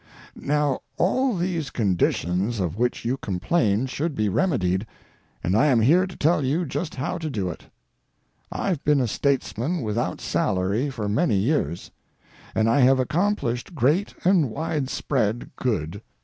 Now, all these conditions of which you complain should be remedied, and I am here to tell you just how to do it. I've been a statesman without salary for many years, and I have accomplished great and widespread good.